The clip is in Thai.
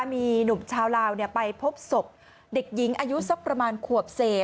มีหนุ่มชาวลาวไปพบศพเด็กหญิงอายุสักประมาณขวบเศษ